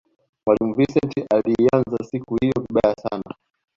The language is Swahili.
mwalimu vincent aliianza siku hiyo vibaya sana